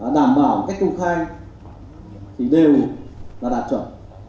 đảm bảo các trung khai thì đều là đạt chuẩn